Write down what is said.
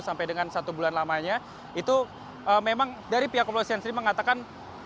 sampai dengan satu bulan lamanya itu memang dari pihak kepolisian sendiri mengatakan